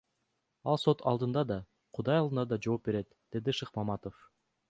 Ал сот алдында да, Кудай алдында да жооп берет, — деди Шыкмаматов.